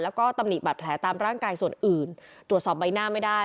แล้วก็ตำหนิบัตรแผลตามร่างกายส่วนอื่นตรวจสอบใบหน้าไม่ได้